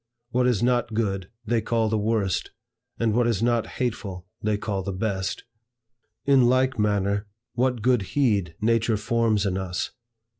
What is not good they call the worst, and what is not hateful, they call the best. In like manner, what good heed, nature forms in us!